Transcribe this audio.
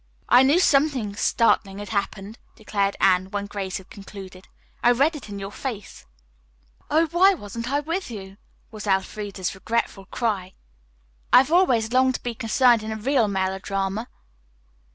"I knew something startling had happened," declared Anne, when Grace had concluded. "I read it in your face." "Oh, why wasn't I with you?" was Elfreda's regretful cry. "I have always longed to be concerned in a real melodrama."